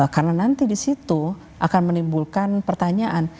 karena nanti di situ akan menimbulkan pertanyaan